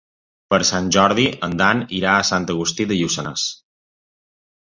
Per Sant Jordi en Dan irà a Sant Agustí de Lluçanès.